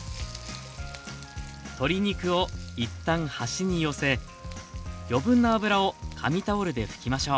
鶏肉を一旦端に寄せ余分な脂を紙タオルで拭きましょう